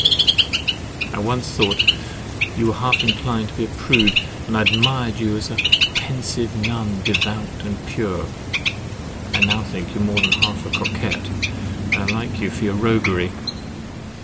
I once thought you were half inclined to be a prude, and I admired you as a "pensive nun, devout and pure." I now think you are more than half a coquet, and I like you for your roguery.